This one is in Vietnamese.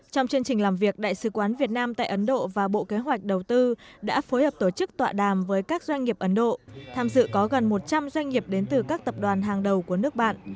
trong chương trình làm việc đại sứ quán việt nam tại ấn độ và bộ kế hoạch đầu tư đã phối hợp tổ chức tọa đàm với các doanh nghiệp ấn độ tham dự có gần một trăm linh doanh nghiệp đến từ các tập đoàn hàng đầu của nước bạn